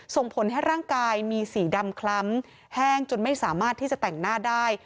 ส่งผลให้ร่างกายมีสีดำคล้ำแห้งจนไม่สามารถที่จะแต่งหน้าได้